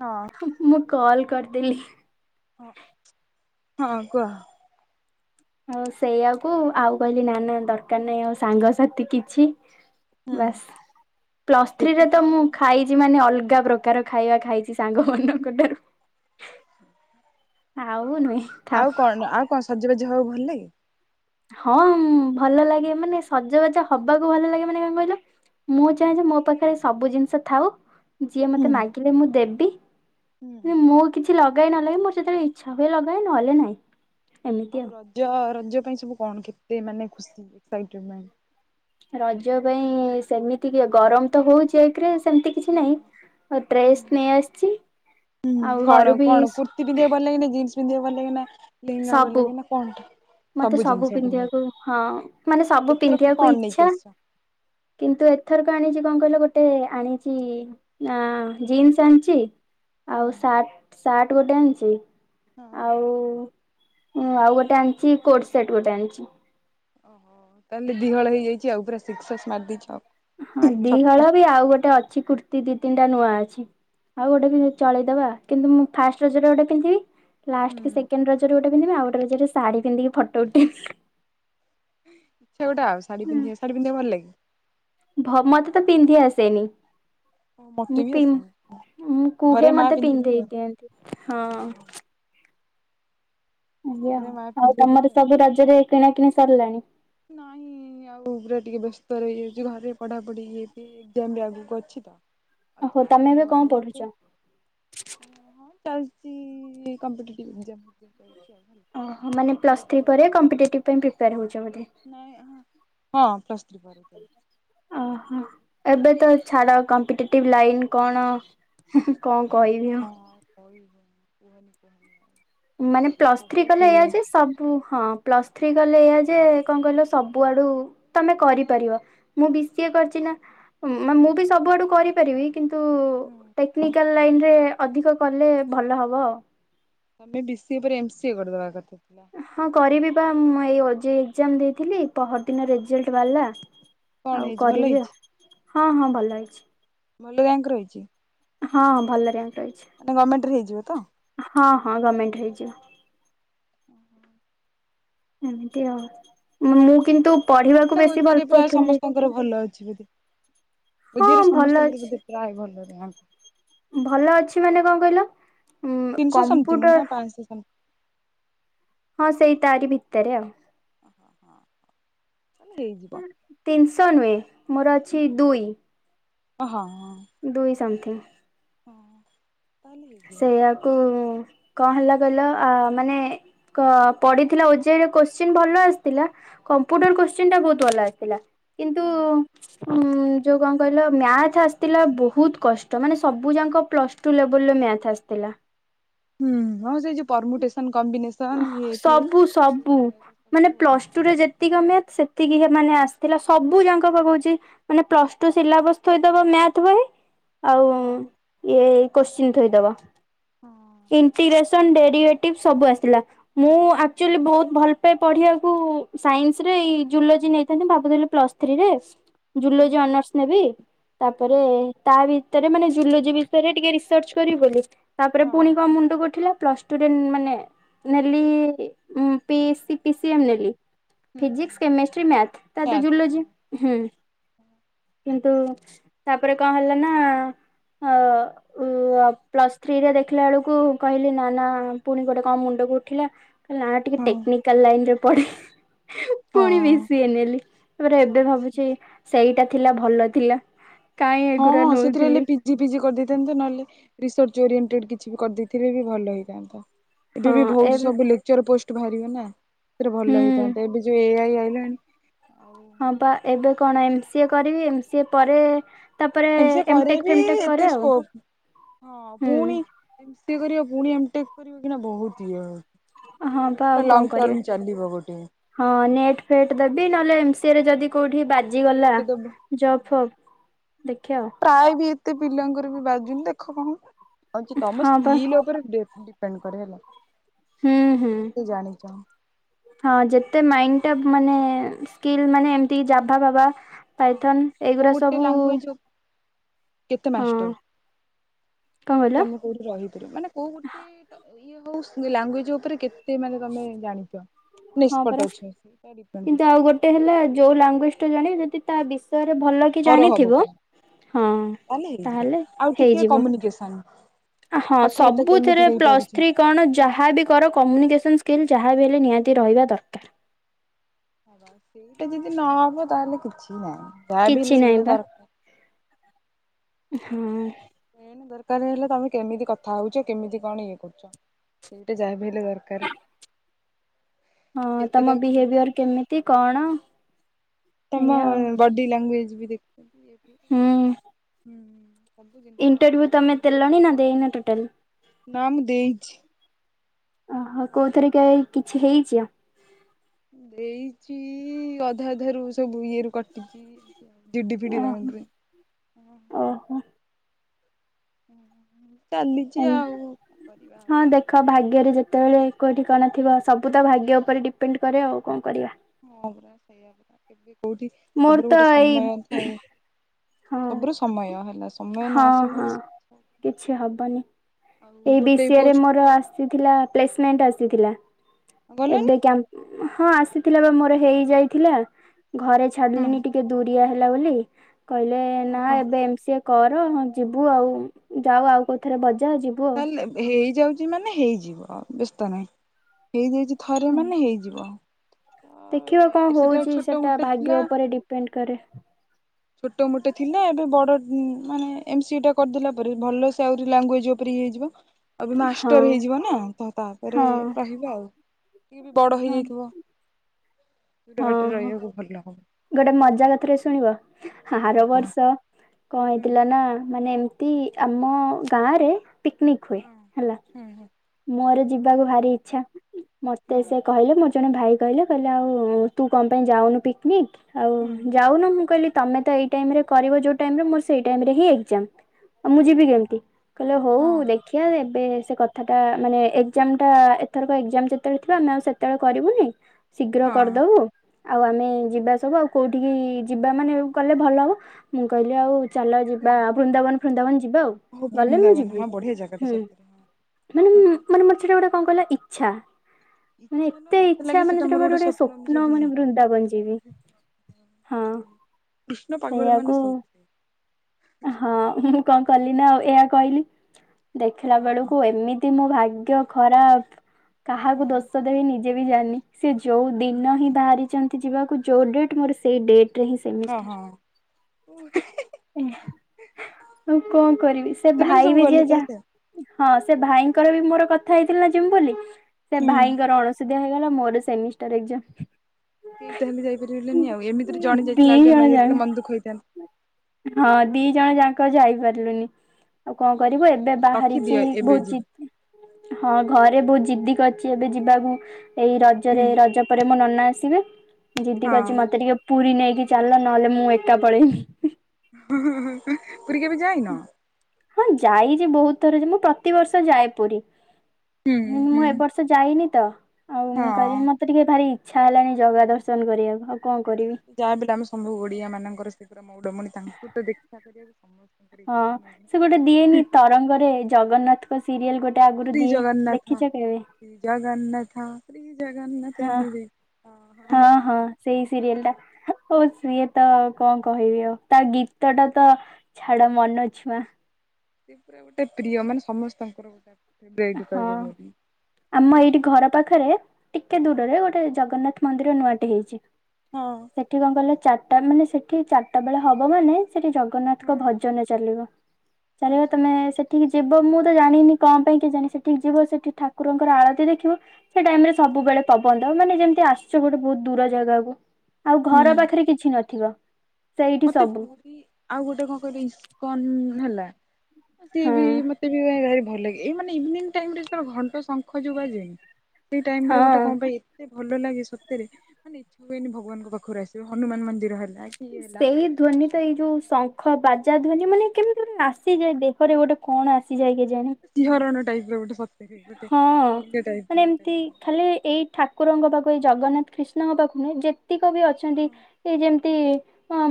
ହଁ। ହୁଁ ମୁଁ କଲ୍ କରିଦେଲି। ହଁ, ହଁ କୁହ? ହଁ ସେଇଆକୁ ଆଉ କହିଲି ନା ନା ଦରକାର ନାହିଁ ଆଉ ସାଙ୍ଗସାଥି କିଛି ହୁଁ। ବାସ୍ ପ୍ଲସ୍ ଥ୍ରୀ ରେ ଯେତିକି ତ ଇଏ ମୁଁ କରି ଖାଇ ଛି ମାନେ ଅଲଗା ପ୍ରକାର ଖାଇବା ଖାଇଚି ସାଙ୍ଗମାନଙ୍କ ଠାରୁ। ଆଉ ନୁହେଁ ଥାଉ ଆଉ କଣ ଆଉ କଣ ସଜ ବାଜ ହବାକୁ ଭଲ ଲାଗେ। ହଁ ଭଲ ଲାଗେ। ମାନେ ସଜବାଜ ହବାକୁ ଭଲ ଲାଗେ ମାନେ ଙ୍କ କହିଲ? ମୁଁ ଚାହେଁ ଯେ ମୋ ପାଖରେ ସବୁ ଜିନିଷ ଥାଉ ଯିଏ ମତେ ହୁଁ। ମାଗିଲେ ମୁଁ ଦେବି ହୁଁ ମୁଁ କିଛି ଲଗାଏ ନ ଲଗାଏ ମୋର ଯେତେବେଳେ ଇଚ୍ଛା ହୁଏ ଲଗାଏ ନହେଲେ ନାଇଁ। ଆଉ ରଜ ରଜ ପାଇଁ ସବୁ କଣ କେତେ ମାନେ ଖୁସି [unintelligible] ରଜ ପାଇଁ ସେମିତି କି ଗରମ ତ ହୋଉଚି ଏକରେ ସେମିତି କିଛି ହଁ ନାହିଁ ହୁଁ। ଡ୍ରେସ୍ ନେଇ ଆସଚି ଆଉ ଘରୁ ବି ତି ପିନ୍ଧିବାକୁ ଭଲଲାଗେ ନା ଜିନ୍ସ ପିନ୍ଧିବାକୁ ଭଲଲାଗେ ନା ଲେହେଙ୍ଗା ଭଲ ସବୁ ଲାଗେନା କଣ? ମତେ ସବୁ ପିନ୍ଧିବାକୁ ହଁ ମାନେ ସବୁ ଏଥରକ ପିନ୍ଧିବାକୁ କଣ ନେଇକି ଇଚ୍ଛା। ଆସିଛ? କିନ୍ତୁ ଏଥରକ ଆଣିଛି କଣ କହିଲ ଗୋଟେ ଆଣିଛି ନା ଜିନ୍ସ ଆଣିଛି। ହଁ ଆଉ ସାର୍ଟ ସାର୍ଟ ଗୋଟେ ଆଣିଛି ହଁ। ଆଉ ହଁ ଆଉ ଗୋଟେ ଆଣିଛି କୋଟ ସେଟ ଗୋଟେ ଆଣିଛି। ଓହୋ ତାହେଲେ ଦି ହଳ ହେଇଯାଇଛି ଆଉ ପୁରା ସିକ୍ସସସ୍ ମାରି ଦେଇଛ ଆଉ। ହଁ ଛକା। ଦିହଳ ବି ଆଉ ଗୋଟେ ଅଛି କୁର୍ତ୍ତି ଦି ତିନିଟା ନୂଆ ଅଛି। ଆଉ ଗୋଟେ ବି ଚଳେଇଦବା କିନ୍ତୁ ମୁଁ ଫାଷ୍ଟ ରଜରେ ଗୋଟେ ପିନ୍ଧିବି ହୁଁ। ଲାଷ୍ଟ ସେକେଣ୍ଡ ରଜ ଗୋଟେ ପିନ୍ଧିବି ଆଉ ଗୋଟେ ରଜରେ ଶାଢ଼ୀ ପିନ୍ଧି ଫଟୋ ଉଠେଇବି। ସେ ଗୋଟେ ଆଉ ଶାଢ଼ୀ - ଶାଢ଼ୀ ପିନ୍ଧିବାକୁ ଭଲ ଲାଗେ? ଭ ମତେ ତ ପିନ୍ଧି ଆସେନି। ହଁ ମୋତେ ମୁଁ ବି ପିନ୍ ଆସେନି ମୁ ଘରେ କୁହେ ମା ମତେ ପିନ୍ଧେଇଦେବେ ପିନ୍ଧେଇ ଦିଅନ୍ତି ହଁ। ଆଉ ହଁ ଆଜ୍ଞା ଘରେ ମା ଆଉ ପିନ୍ଧେଇଦେବେ ତମର ସବୁ ରଜରେ କିଣା କିିଣି ସରିଲାଣି? ନାହିଁ ଆଉ ପୁରା ଟିକେ ବ୍ୟସ୍ତ ରହିଯାଉଛି ଘରେ ପଢ଼ାପଢ଼ି ଇଏ ସିଏ ଏଜ୍ଜାମ ଆଗକୁ ଅଛି ତ। ଆଉ ଓହୋ ତମେ ଯାଇନି ଏବେ ଆଉ କଣ ଆଣିବାକୁ ପଢୁଛ? ହଁ ଚାଲିଛି କମ୍ପିଟେଟିଭ ଏଜ୍ଜାମ। ଓହୋ ମାନେ ପ୍ଲସ ଥ୍ରୀ ପରେ କମ୍ପିଟେଟିଭ ପାଇଁ ପ୍ରିପେଆର ହଉଛ ବୋଧେ। ନାଁଇଁ ହଁ ପ୍ଲସ୍ ଥ୍ରୀ ପରେ ହଁ ଓହୋ ଏବେ ତ ଛାଡ଼ କମ୍ପିଟେଟିଭ ଲାଇନ୍ କଣ କଣ କହିବି ଆଉ। କହି ହଉନି କୁହନି କୁହନି ଆଉ। ମାନେ ଏଇଟା ପ୍ଲସ୍ ଥ୍ରୀ ବହୁତ କଲେ ଏୟା ଇଏ ଯେ ସବ ହଁ ପ୍ଲସ୍ ଥ୍ରୀ କଲେ ଏଇଆ ଯେ କଣ କହିଲ ସବୁଆଡୁ ତମେ କରିପାରିବ। ମୁଁ ବି ସିଏ କରିଛି ନା ହୁଁ ମୁଁ ବି ସବୁଆଡୁ କରିପାରିବି କିନ୍ତୁ ଟେକ୍ ହୁଁ ଟେକ୍ନିକାଲ ଲାଇନରେ ଅଧିକ କଲେ ଭଲ ହେବ। ତମେ ବି ସି ଏ ପରେ ଏମ ସିି ଏ କରିଦବା କଥା ଥିଲା। ହଁ କରିବି ବା ମୁଁ ଏଇ ଓ ଜେ ଇ ଏଜ୍ଜାମ ଦେଇଥିଲି। ପହର ଦିନ ରେଜଲ୍ଟ ବାହାରିଲା କଣ ଆଉ ହେଇଛି ଭଲ କରିବି ହେଇଛି ଆଉ ହଁ ହଁ ଭଲ ହେଇଛି। ଭଲ ରେଙ୍କ ରହିଛି? ହଁ ଭଲ ରାଙ୍କ ରହିଛି। ମାନେ ଗଭରମେଣ୍ଟ ରେ ହେଇଯିବ ତ? ହଁ ହଁ ଗଭର୍ଣ୍ଣମେଣ୍ଟ ରେ ହେଇଯିବ। ଓହୋ। ଏମିତି ଆଉ ମୁଁ କିନ୍ତୁ ପଢିବାକୁ ମତେ ଲାଗୁଛି ଓ ବେଶୀ ଜେ ଇ ଭଲ ରେ ପ୍ରାୟ ପାଉଥିଲି ସମସ୍ତଙ୍କର ଭଲ ଅଛି ବୋଲି। ଓ ହଁ ଜେ ଇ ରେ ଭଲ ସମସ୍ତଙ୍କର ଅଛି ବୋଧେ ପ୍ରାୟ ଭଲ ରହେ ଆ ଭଲ ଅଛି ମାନେ କଣ କହିଲ ଉଁ ତିନିଶହ ସମଥିଙ୍ଗ କମ୍ପ୍ୟୁଟର [unintelligible] ହଁ ସେଇ ତାରି ଭିତରେ ଆଉ। ହଁ ମାନେ ହେଇଯିବ। ତିନିଶହ ନୁହେଁ ମୋର ଅଛି ଦୁଇ। ଓହୋ, ହଁ। ଦୁଇ ସମଥିଙ୍ଗ୍। ହଁ। ତାହେଲେ ହେଇଯିବ। ସେୟାକୁ କଣ ହେଲା କହିଲ ମାନେ କ ପଡ଼ିଥିଲା ଓ ଜେ ଇ ର କୋଶ୍ଚିନ ଭଲ ଆସିଥିଲା। କମ୍ପ୍ୟୁଟର କୋଶ୍ଚିନ୍ ଟା ବହୁତ ଭଲ ଆସିଥିଲା କିନ୍ତୁ ହଁ ହଁ। ଉ ଯୋଉ କଣ କହିଲ ମ୍ୟାଥ ଆସିଥିଲା ବହୁତ କଷ୍ଟ ମାନେ ସବୁ ଯାକ ପ୍ଲସ୍ ଟୁ ଲେ ବୁଲ ମ୍ୟାଥ ଆସିଥିଲା। ହୁଁ ହ ସେଇ ଯୋଉ ପର୍ମୁଟେସନ କମ୍ବିନେସନ। ଇଏ ଫିଏ ସବୁ ସବୁ ସେଇଗୁଡାକ ସବୁ ମାନେ ଆଉ। ପ୍ଲସ୍‌ଟୁରେ ଯେତ୍‌ ଏତିକ ମ୍ୟାଥ୍ ସେତିକି ମାନେ ଆସିଥିଲା ସବୁ ଜାଙ୍କ ପା କଉଛି। ମାନେ ପ୍ଲସ୍‌ଟୁ ସିଲାବସ୍‌ ଥୋଇଦବ ମ୍ୟାଥ୍ ବହି। ଆଉ ହଁ ଇଏ କଶ୍ଚିନ୍ ଥୋଇଦବ ହଁ ଇଣ୍ଟିଗ୍ରେସନ ଡ଼େ ଡିଏଟିଭ୍ ସବୁଆସିଥିଲା ମୁ ଆକଟୁଆଳି ବହୁତ୍‌ ଭଲ ପଢିବାକୁ ସାଇନ୍ସ ରେ ଜୁଲୋଜି ନେଇଥାନ୍ତି ଭାବୁଥିଲି ପ୍ଲସଥ୍ରୀରେ। ହୁଁ ଜୁଲୋଜି ଅନର୍ସ ନେବି ହଁ ତାପରେ ତା ଭିତରେ ମାନେ ଜୁଲୋଜି ବିଷୟରେ ଟିକେ ରିସର୍ଚ କରିବି ବୋଲି ତାପରେ ପୁଣି ହଁ କଣ ମୁଣ୍ଡକୁଉଠିଲା ପ୍ଲସ୍‌ ଟୁଡେଣ୍ଟ ମାନେ ନେଲି ପି ସି ପିସିଏମ୍ ନେଲି। ହୁଁ ହୁଁ। ଫିଜିକ୍ସ, କେମେଷ୍ଟ୍ରି, ମ୍ୟାଥ ତା ତ ଜୁଲୋଜି ହୁଁ କିନ୍ତୁ ତାପରେ କଣ ହେଲା ନା। ହ ଉ ପ୍ଲସ୍ ଥ୍ରୀରେ ଦେଖିଲା ବେଳକୁ କହିଲି ନା ନା ହଁ ପୁଣି ଗୋଟେ କଣ ମୁଣ୍ଡକୁ ଉଠିଲା ନା- ଟିକେ ହଁ ଟେକ୍ନିକାଲ ଲାଇନ ରେ ପଡେ। ହଁ ପୁଣି ବିସିଏ ନେଲି ତାପରେ ହଁ ଏବେ ଅଛି। ଭାବୁଛି ସେଇଟା ଥିଲା ଭଲ ଥିଲା କାହିଁ ଏଗୁରା ନୋଉଥିଲି। ଜିପିଜି କରିଦେଇଥାନ୍ତିତ ନହେଲେ ରିସର୍ଚ୍ଚ ଓରିଏଣ୍ଟେଡ଼୍ କିଛି ବି କରିଦେଇଥିଲେ ବି ଭଲ ହେଇଥାନ୍ତା। ଏବେ ହଁ ବି ବହୁତ ଏବେ ସବୁ ଲେକ୍ଚର ପୋଷ୍ଟ ବାହାରିବ ନା ସେଥିରେ ହୁଁ ଭଲ ହେଇଥାନ୍ତା ଏବେ ଯୋଉ ଏ ଆଇ ଆଇଲାଣି। ଆଉ ହଁ ବା ଏବେ କଣ ଏମ୍ ସି ଏ କରିବି ଏମ୍ ସି ଏ ପରେ ତାପରେ ଏମ ସି ଏ ପରେ ଏମଟେକ୍ ବିି ଫେମଟେକ୍ ଏତେ କରେ ଆଉ ସ୍କୋପ ହଁ ହୁଁ ପୁଣି ଏମ ସି ଏ କରିବ ପୁଣି ଏମ ଟେ କ କରିବା କିନା ବହୁତ ଇଏ ହବ। ହଁ ବା ଆଉ ତା କଣ କରିବା ଲଙ୍ଗଟର୍ମ ଚାଲିବ ଗୋଟେ। ହଁ ନେଟ୍ ଫେଟ୍ ଦେବି ନହେଲେ ଏମସି ରେ ଯଦି କୋଉଠି ବା ଜିଗଲା ଗେଟ ଦବ ହଁ ଜପ୍ ଫବ୍ ଦେଖିଆ ଆଉ। ପ୍ରାୟ ବି ଏତେ ପିଲାଙ୍କର ବି ବାଜୁନି ଦେଖ କଣ ଆଉଛି ଆଉ ତମ ହଁ ପା ସ୍କିଲ୍ ଉପରେ ଡେ ଡିପେଣ୍ଡ କରେ ହେଲା ହୁଁ ହୁଁ। କେତେ ଜାଣିଛ। ହଁ ଯେତେ ମାଇଣ୍ଡଟା ମାନେ ସ୍କିଲ୍ ମାନେ ଏମତି ଜାଭା ଫାଭା ହଁ। ପାଇଥନ୍ କୋଉ ଏଇଗୁଡା ଗୋଟେ ସବୁ ଲାଙ୍ଗୁଏଜ କେତେ ହଁ। ମାଷ୍ଟର କଣ ତାହେଲେ କହିଲ? ତମେ କୋଉଠି ରହିଥିଲ ମାନେ କୋଉ ଗୋଟେ ଇଏ ହଉ ଲାଙ୍ଗୁଏଜ ଉପରେ କେତେ ମାନେ ତମେ ଜାଣିଛ। ହଁ ପରା ନିଷ୍ପଟ ଅଛ ସେଟା ଡିପେଣ୍ଡ କିନ୍ତୁ କରୁଛି। ଆଉ ଗୋଟେ ହେଲା ଯୋଉ ଲାଙ୍ଗୁଏଜଟା ଜାଣି ଯଦି ତା ବିଷୟରେ ଭଲ କି ଥର ହବ ଜାଣିଥିବ ପୁରା। ହଁ ତାହେଲେ ହେଇଯିବ। ପ୍ଳିକେଶନ। ଆହଁ ସବୁଥିରେ ପ୍ଲସ୍ ଥ୍ରୀ କଣ ଯାହାବି କର କମ୍ୟୁନିକେସନ ସ୍କିଲ୍ ଯାହାବି ହେଲେ ନିହାତି ରହିବା ଦରକାର। ସେଇଟା ଯଦି ନହବ ତାହେଲେ କିଛି ନାହିଁ ଯାହା ବି କିଛି ହେଲେ ନାହିଁ ସେଇଟା ବା ଦର ହଁ ଏଣ୍ ଦରକାର ହେଲେ ତମେ କେମିତି କଥା ହଉଛ କେମିତି କଣ ଇଏ କରୁଛ ଏଇଟା ଯାହାବି ହେ ହେଲେ ଦରକାରେ ହଁ ତମ ବିହେଭିୟର କରିବ। କେମିତି କଣ ତମ ଏଇଆ ଆଉ ବଡ଼ି ଲାଙ୍ଗୁଏଜ ବି ଦେଖୁ ହୁଁ। [unintelligible] ହୁଁ ସବୁ ଜିନିଷକୁ ଇଣ୍ଟରଭ୍ୟୁ ସେ ତମେ ତେଲଣି ନା ଦେଇନ ଟୋଟାଲ୍? ନା ମୁଁ ଦେଇଛି। ଓହୋ କୋଉଥରେ କାଇ କିଛି ହେଇଛ? ଦେଇଛି ଅଧା ଅଧା ରୁ ସବୁ ଇଏ ରୁ କଟିଛି। ଡିଡ଼ିଫିଡ଼ି ଓହୋ ରାଉଣ୍ଡରେ। ଓହୋ ଚାଲିଛି ଏମ୍ ଆଉ କରିବା ଆଉ। ହଁ ଦେଖ ଖ ଭାଗ୍ୟରେ ଯେତେବେଳେ କୋଉଠି କଣ ଥିବ ସବୁ ତ ଭାଗ୍ୟ ଉପରେ ଡିପେଣ୍ଡ କରେ ଆଉ କଣ କରିବା? ହଁ ପୁରା ସେଇଆ ପରା କେବେ କୋଉଠି ମୋର ସବୁର ତ ଗୋଟେ ଏଇ ସମୟ ଥାଏ। ହଁ ସବୁୁର ସମୟ ହେଲା। ସମୟ ହଁ ନ ଆସିବ ହଁ କିଛି ହବନି। ଆଉ ଏଇ ବି ଗୋଟେ ସି ଏ ରେ ମୋର ପୋଷ୍ଟକୁ ଆସିଥିଲା ପ୍ଲେସ୍ ମେଣ୍ଟ ଆସିଥିଲା ଗଲନି ଏବେ କ୍ୟାପ୍ ହଁ ଆସିଥିଲା ବା ମୋର ହେଇ ଯାଇଥିଲା ଘରେ ହଁ ଛାଡ଼ିଲେନି ଟିକେ ଦୁରିଆ ହେଲା ବୋଲି କହିଲେ ନା ଓହୋ ଏବେ ଏମସିଏ କର ହଁ ଯିବୁ ଆଉ। ଯାଉ ଆଉ କୋଉଥିରେ ବଜା ଯିବୁ ଆଉ। ତାହଲେ ହେଇଯାଉଛି ମାନେ ହେଇଯିବ ବ୍ୟସ୍ତ ନାହିଁ। ହେଇଯାଇଛି ଥରେ ମାନେ ହେଇଯିବ। ଦେଖିବା କଣ ତ ସେଟା ହଉଛି ଛୋଟ ସେଟା ମୋଟ ଭାଗ୍ୟ ଥିଲା ଉପରେ ଡିପେଣ୍ଡ କରେ। ଛୋଟ ମୋଟ ଥିଲା। ଏବେ ବଡ଼ ମାନେ ଏମ୍ ସି ଏ ଟା କରିଦେଲା ପରେ ଭଲ ସେ ଆହୁରି ଲାଙ୍ଗୁଏଜ ପ୍ରି ହେଇଯିବ। ଅବେ ହଁ ମାଷ୍ଟର ହେଇଯିବ ନା ତ ତାପରେ ହଁ ରହିବ ଆଉ। ଟିକେ ବି ବଡ଼ ହଁ। ହେଇଯାଇଥିବ ଗୋଟା ହଁ ବାଟରେ ହଁ ରହିବାକୁ ଭଲ ହବ। ଗୋଟେ ମଜା କଥାରେ ଶୁଣିବ? ଆର କୁହ କୁହ ବର୍ଷ କଣ ହୁଁ ହେଇଥିଲା ନା ମାନେ ଏମ୍ ତି ଆମ ଗାଁ ରେ ପିକନିକ୍ ହୁଏ ହଁ ହେଲା। ହୁଁ ମୋର ଯିବାକୁ ଭାରି ଇଚ୍ଛା। ମତେ ହଁ ସିଏ କହିଲେ ମୁ ଜଣେ ଭାଇ କହିଲେ କହିଲେ ଆଉ ତୁ କଣ ପାଇଁ ଯାଉନୁ ପିକ୍ନିକ୍? ଆଉ ହୁଁ ଯାଉନ ମୁଁ କହିଲି ତମେ ତ ଏଇ ଟାଇମ୍ ରେ କରିବ ଯୋଉ ଟାଇମ୍ ରେ ମୋର ସେଇ ଟାଇମ୍ ରେ ଏକଜାମ୍। ଆଉ ମୁଁ ହଁ ଯିବି କେମିତି? କହିଲେ ହଉ ହଁ ଦେଖି ଦେଖିଆ ଏବେ ସେ କଥାଟା ମାନେ ଏକ୍ଜାମ୍ ଟା ଏଥରକ ଏକ୍ଜାମ୍ ଯେତେବେଳେ ଥିବ ଆମେ ଆଉ ସେତେବେଳେ କରିବୁନି ଶୀଘ୍ର ହଁ କରିଦବୁ, ଆଉ ଆମେ ଯିବା ସବୁ ଆଉ କୋଉଠିକି ଯିବା ମାନେ କଲେ ଭଲ ହବ? ମୁଁ କହିଲି ଆଉ ଚାଲ ଯିବା ବୃନ୍ଦାବନ ବୃନ୍ଦାବନ ଯିବା ଆଉ। ହୋ ଗଲେ ମୁଁ ବୃନ୍ଦାବନ ଯିବି ହଁ ବଢ଼ିଆ ଜାଗାଟା। ହୁଁ ସତରେ ମାନେ ହଁ ମାନେ ମୋର ସେଟା ଗୋଟେ କଣ କହଲା ଇଚ୍ଛା। ମାନେ ଇଚ୍ଛା ନୁହଁ ଏତେ ମତେ ଇଚ୍ଛା ଲାଗେ ମାନେ ସେଟା ମୋର ଗୋଟେ ମୁଁ ସ୍ୱପ୍ନ ସେଠି ମାନେ ଯିବି ବୃନ୍ଦାବନ ଯିବି। ହଁ କୃଷ୍ଣ ପାଗଳ ମାନେ ସେଇଆକୁୁ ସବୁ ହଁ ମୁଁ କଁ କଲି ନା ଆଉ ଏହା କହିଲି। ଦେଖିଲା ହଁ ହଁ ବେଳକୁ ଏମିତି ତି ମୋ ଭାଗ୍ୟ ଖରାପ କାହାକୁ ଦୋଷ ଦେବି ନିଜେ ବି ଜାଣ୍ନି। ସେ ଯୋଉ ଦିନ ହିଁ ବାହାରିଛନ୍ତି ଯିବାକୁ ଯୋଉ ଡ଼େଟ୍ ମୋର ସେଇ ଡ଼େଟ୍ ରେ ହିଁ ହଁ ସେମିଷ୍ଟାର। ହଁ ହଁ। ମୁଁ କଣ କରିବି ସେ ସେମାନେ ଭାଇ ସବୁ ବି ଯିଏ ଗଲେ ତାହେଲେ ଯାହା ହଁ ସେ ଭାଇଙ୍କର ବି ମୋର କଥା ହେଇଥିଲ ନା ଜିମୁ ବୋଲି ସେ ହୁଁ। ଭାଇଙ୍କର ଅଣସ ହେଇଗଲା ମୋର ସେମିଷ୍ଟର ଏଗଜାମ। କେହି ତ ହେଲେ ଯାଇପାରିବେନି ଆ ଏମିତିରେ ଜଣେ ଦି ଯାଇଥିଲେ ଆଉ ଜଣେ ଜଣ ନ ଯାକ ଯାଇଥିଲେ ମନ୍ଦୁଖ ହେଇଥାନ୍ତ। ହଁ ଦି ଜଣ ଯାକ ଯାଇପାରିଲୁନି ଆଉ କଣ କରିବୁ ଏବେ ରଖିଦିଅ ବାହାରିଛି ଏବେ ଭୋଜି। ଯିବି। ହଁ ଘରେ ବହୁତ ଜିଦ୍ଦି କରିଚି ଏବେ ଯିବାକୁ ଏଇ ହୁଁ ରଜରେ ରଜ ପରେ ମୋ ନନା ଆସିବେ ଜିଦି କହିଛି ହଁ। ମତେ ଟିକେ ପୁରୀ ନେଇକି ଚାଲି ନହେଲେ ମୁଁ ଏକା ପଳେଇବି। ପୁରୀ କେବେ ଯାଇନ? ହଁ ଯାଇଛି ବହୁତ ଥର ଯେ ମୁଁ ପ୍ରତିବର୍ଷ ଯାଏ ପୁରୀ, ହୁଁ ହୁଁ ମୁଁ ଏବର୍ ସେ ଯାଇନି ତ ଆଉ ମୁଁ କହିବି ହଁ। ମତେ ଟିକେ ଭାରି ଇଚ୍ଛା ହେଲାଣି ଜଗା ଦର୍ଶନ କରିବାକୁ। କଣ କରିବି। ଯାହାବି ହେଲେ ଆମେ ସବୁ ଓଡିଆ ମାନଙ୍କର ସେ ପରା ମୌଡମଣି ତାଙ୍କୁ ତ ଦେଖା କରିବାକୁ ସମ ହଁ ସେ ଗୋଟେ ଦିଏନି ତରଙ୍ଗରେ ଜଗନ୍ନାଥ ଙ୍କ ସିରିଏଲ ଗୋଟେ ଆଗରୁ ଶ୍ରୀ ଦିଏ ଜଗନ୍ନାଥ ଦେଖିଛ କେବେ? ଜଗନ୍ନାଥ, ଜଗନ୍ନାଥ ହଁ ଏମତି ଦିଏ। ହଁ ହଁ ସେଇ ସିରିଏଲ ଟା। ହଉ ସିଏ ତ କଁ କହିବି ଆଉ ତା ଗୀତ ଟା ତ ଛାଡ ମନ ଛୁଆଁ। ସେ ପୁରା ଗୋଟେ ପ୍ରିୟ ମାନେ ସମସ୍ତଙ୍କର ଗୋଟେ। ଫେବରାଇଟ୍ ହଁ କହିବାକୁ ଗଲେ ଆମ ନୁହଁ ଏଇଠି ଘର ପାଖରେ ଟିକେ ହଁ ଦୂରରେ ଗୋଟେ ଜଗନ୍ନାଥ ମନ୍ଦିର ନୂଆଟେ ହେଇଚି। ହଁ। ସେଠି କଣ କହିଲ ଚାରିଟା ମାନେ ସେଠି ଚାରିଟା ବେଳ ହବ ମାନେ ସେଠି ଜଗନ୍ନାଥଙ୍କ ହଁ ଭଜନ ଚାଲିବ ଚାଲିବ ଆଚ୍ଛା ତମେ ଆଚ୍ଛା ସେଠିକି ଯିବ ମୁଁ ତ ଜାଣିନି କ ପାଇଁ କେଜାଣି ସେଠିକି ଯିବ ସେଠି ଠାକୁରଙ୍କର ଆଳତି ଦେଖିବ ସେ ଟାଇମ ରେ ହଁ ସବୁବେଳେ ପବନ ଦବ ମାନେ ଯେମିତି ଆସଚୁ ଗୋଟେ ବହୁତ ଦୂର ଜାଗାକୁ ଆଉ ଘର ହୁଁ। ପାଖରେ କିଛି ନଥିବ। ସେଇଠି ମତେ ସବୁ ପୁରୀ ଆଉ ଗୋଟେ କଁ କହିଲେ ଇସ୍କନ ହେଲା। ସିଏ ବି ହଁ ମତେ ବି ଭାରି ଭଲ ଲାଗେ ଏଇ ମାନେ ଇଭିନିଙ୍ଗ ଟାଇମ୍‌ରେ ଯେତେବେଳେ ଘଣ୍ଟ ଶଙ୍ଖ ଯୋଉ ବାଜେନି। ସେଇ ଟାଇମ ରେ ହଁ ଗୋଟେ କଣ ପାଇଁ ଏତେ ଭଲ ଲାଗେ ସତରେ ମାନେ ଇଚ୍ଛା ହୁଏନି ଭଗବାନଙ୍କ ପାଖରୁ ଆସିବା ହନୁମାନ ମନ୍ଦିର ହେଲା କିଏ ହେଲା। ଏଇ ମାନେ ଧ୍ୱନି ତ ଏଇ ସତରେ ଯୋଉ ଶଙ୍ଖ ବା ଜା ଧ୍ୱନି ମାନେ କେମିତି ଗୋଟେ ଆସିଯାଏ ଦେହରେ ଗୋଟେ କଣ ଆସିଯାଏ କେଜାଣି। ଝରଣ ଟାଇପ ର ଗୋଟେ ପ ହଁ ମାନେ ଏମିତି ଲାଗେ ଖାଲି ଏଇ ଠା ଠାକୁରଙ୍କ ପାଖକୁ ଏ ଜଗନ୍ନାଥ କ୍ରୀଷ୍ଣଙ୍କ ପାଖକୁ ନୁହେଁ ଯେତିକ ବି ଅଛନ୍ତି ହଁ ଏ ଯେମିତି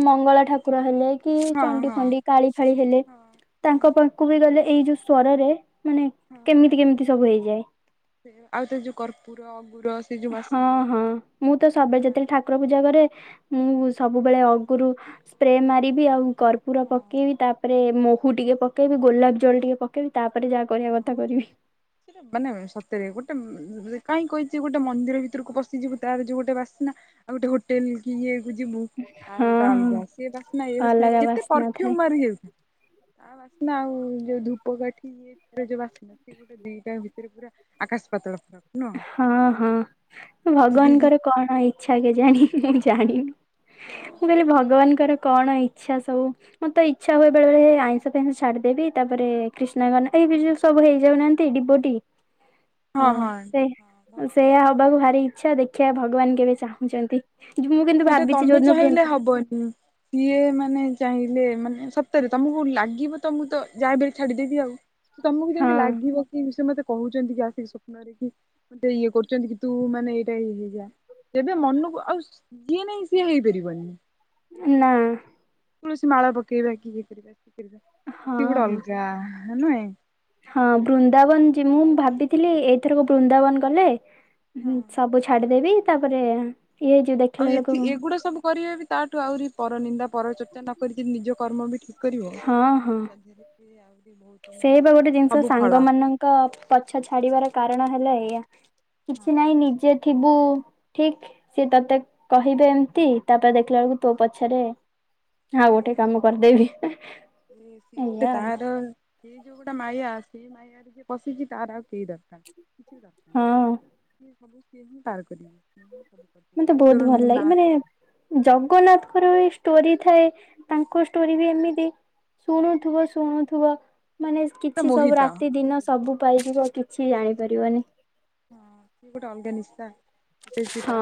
ମଙ୍ଗଳା ଠାକୁର ହେଲେ କି ହଁ ଚଣ୍ଡି ହଁ ଫଣ୍ଡି କାଳି ଫାଳି ହେଲେ। ହଁ ହଁ ତାଙ୍କ ପାଖକୁ ବି ଗଲେ ଏଇ ଯୋଉ ସ୍ଵରରେ ମାନେ ହଁ କେମିତି କେମିତି ସବୁ ହେଇଯାଏ। ସେ ଆଉ ତ ଯୋଉ କର୍ପୁର ଅଗୁରସ ହଁ ହଁ ମୁଁ ତ ସବବେ ଯେତେଳେ ଠା ର ଗୀତ ପୂଜା କରେ ମୁଁ ସବୁବେଳେ ଅଗୁରୁ ସ୍ପ୍ରେ ମାରିବି ଆଉ କର୍ପୁ ପୁର ହଁ ପକେଇବି ତାପରେ ମହୁ ଟିକେ ପକେଇବି ଗୋଲାପ ଜଲ ଟିକେ ପକେଇବି ତାପରେ ଯାହା କରିବା ହଁ କଥା କରିବି। ମାନେ ସତରେ ଗୋଟେ କାହିଁ କହିଛି ଗୋଟେ ମନ୍ଦିର ଭିତରକୁ ପଶିଯିବୁ ତାର ଯୋଉ ଗୋଟେ ବାସିନା ଆଉ ଗୋଟେ ହୋଟେଲ କି ଇଏ କୁ ଯିବୁ। ତାର ହଁ ଗୋଟେ ହଁ ଅଲଗା ସିଏ ବାସ୍ନା ଏ ବାସନା ଅଲଗା ଯେତେ ବାସ୍ନା ଥାଏ ପରଫ୍ୟୁମ ମାରିହଉ। ଆ ବାସ୍ନା ଆଉ ଯୋଉ ଧୂପକାଠି ରେ ଯୋଉ ବାସନା ସେ ଗୋଟେ ଦିଟା ଭିତରେ ପୁରା ଆକାଶ ପାତଳ ଫରକ। ହଁ ହଁ ଭଗବାନଙ୍କର କଣ ଇଚ୍ଛା କେଜାଣି? ମୁଁ ଜାଣିନି, ମୁଁ କହିଲି ଭଗବାନଙ୍କର କଣ ଇଚ୍ଛା ସବୁ ମତେ ଇଚ୍ଛା ହୁଏ ବେଳେ ବେଳେ ଆଇଁଷ ଫାଇଁସ ଛାଡିଦେବି ତାପରେ କ୍ରିଷ୍ଣା ଗନ ଏଇ ଏବେ ଯୋଉ ସବୁ ହେଇଯାଉନାହାନ୍ତି ଡିିବୋଟି। ହଁ ହଁ। ଭକ୍ତି ସେୟା ହବାକୁ ଭାରି ଇଚ୍ଛା ଦେଖିବା ଭଗବାନ କେବେ ଚାହୁଁଛନ୍ତି। ମୁଁ ନାଇଁ କିନ୍ତୁ ସେଟା ଭାବିଛି ତମେ ଯୋଉଦିନ ଚାହିଁଲେ ବୃନ୍ଦା ହବନି। ସିଏ ମାନେ ଚାହିଁଲେ ମାନେ ସତରେ ତମକୁ ଲାଗିବ ତ ମୁଁ ତ ଯାହାବିହେଲେ ଛାଡିଦେବି ଆଉ। ତମକୁ ହଁ ଯେମିତି ଲାଗିବ କି ସେ ମତେ କହୁଛନ୍ତି କି ଆସିକି ସ୍ୱପ୍ନରେ କି ମତେ ଇଏ କରୁଛନ୍ତି କି ତୁ ମାନେ ଏଇଟା ଇଏ ହେଇଯା ତେବେ ମନକୁ ଆଉ ଯିଏ ନାଇଁ ସିଏ ହେଇପାରିବନି। ନା ତୁଳସି ମାଳ ପକେଇବା କି ଇଏ କରିବା କିଏ କରିବା ହଁ ସିଏ ଗୋଟେ ହଁ ଅଲଗା ନୁହେଁ। ହଁ ବୃନ୍ଦାବନ ଯି ମୁଁ ଭାବିଥିଲି ଏଇ ଥରକ ବୃନ୍ଦାବନ ଗଲେ ହଁ। ସବୁ ଛାଡିଦେବି, ତାପରେ ଇଏ [unintelligible] ଆଉ ଏଥି ଏଗୁଡା ସବୁ କରିବେ ବି ତାଠୁ ଆହୁରି ପର ନିିନ୍ଦା ପରଚର୍ଚ୍ଚା ନ କରିିକି ନିଜ କର୍ମ ବି ଠିକ। ହଁ ହଁ। ଏବେ ଆହୁରି ବହୁତ ମାନେ ସବୁ ଫଳ। କ ପଛ ଛାଡିବାର କାରଣ ହେଲା ଏଇଆ କିଛି ହଁ ନାହିଁ ନିଜେ ଥିବୁ ଠିକ ସିଏ ତତେ କହିବେ ଏମିତି ତାପରେ ଦେଖିଲା ବେଳକୁ ତୋ ପଛରେ ଆଉ ଗୋଟେ ସେଇଆ ପରା କାମ କରିଦେବି ଏଇଆ ଆଉ। ସେଇ ଯୋଉ ଗୋଟେ ମାୟା, ସେଇ ମାୟାରେ ଯିଏ ପଶିଛି ତାର ଆଉ କେହି ଦ ହଁ କିଛି ଦରକାର ନାହିଁ ହଁ ସିଏ ସବୁ ସିଏ ହଁ ପାର କରିବେ। ସିଏ ହିଁ ସବୁ କରିପାରିବେ ମତେ ସେ ବହୁତ ତୋର ଭଲ ନା ଲାଗେ ମାନେ ଜଗନ୍ନାଥଙ୍କର ବି ଷ୍ଟୋରି ଥାଏ ତାଙ୍କ ଷ୍ଟୋରି ବି ଏମିତି ଶୁଣୁଥିବ ଶୁଣୁଥିବ ମାନେ ସେ କିଛି ସବୁ, ମୋହିତ ରାତି ଦିନ ସତରେ ସବୁ ପାଇଯିବ କିଛି ଜାଣିପାରିବନି। ହଁ ସେ ଗୋଟେ ଅଲଗା ନିସା [unintelligible] ହଁ। ତା